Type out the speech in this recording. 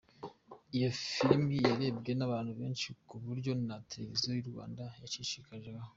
Iyo film yarebwe nabantu benshi ku buryo na televiziyo yu Rwanda yayicishagaho.